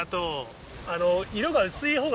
あの色が薄い方が。